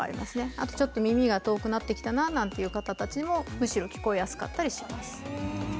あと、ちょっと耳が遠くなってきたななんていう方たちもむしろ聞こえやすかったりします。